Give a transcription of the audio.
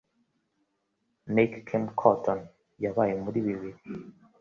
Niki Kim Cotton Yabaye Muri bibiri